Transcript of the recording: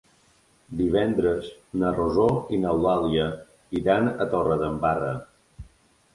Divendres na Rosó i n'Eulàlia iran a Torredembarra.